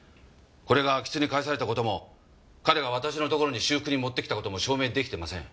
これが安芸津に返された事も彼が私のところに修復に持ってきた事も証明出来てません。